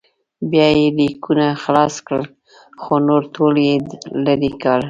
بیا یې لیکونه خلاص کړل خو نور ټول یې لرې کړل.